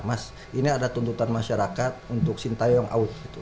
mas ini ada tuntutan masyarakat untuk shintayong out